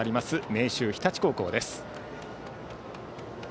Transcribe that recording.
明秀日立高校です。